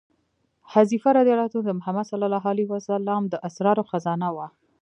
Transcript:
حذیفه رض د محمد صلی الله علیه وسلم د اسرارو خزانه وه.